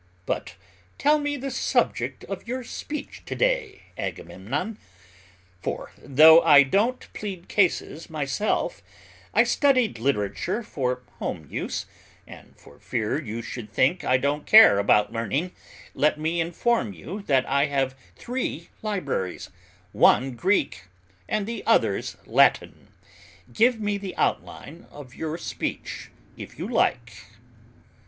But tell me the subject of your speech today, Agamemnon, for, though I don't plead cases myself, I studied literature for home use, and for fear you should think I don't care about learning, let me inform you that I have three libraries, one Greek and the others Latin. Give me the outline of your speech if you like me."